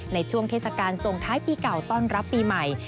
ในช่วงเทศกาลส่งท้ายปีเก่าต้อนรับปีใหม่